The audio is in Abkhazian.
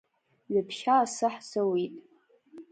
Ҩаԥхьа асы ҳзауит.